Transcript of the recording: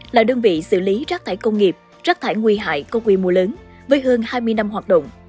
là đơn vị xử lý rác thải công nghiệp rác thải nguy hại có quy mô lớn với hơn hai mươi năm hoạt động